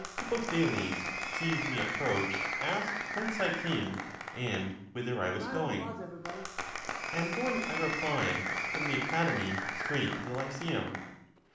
Hippothales, seeing me approach, asked whence I came and whither I was going. I am going, I replied, from the Academy straight to the Lyceum.